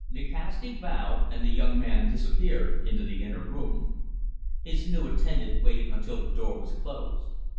Nikasti bowed, and the young man disappeared into the inner room. His new attendant waited until the door was closed.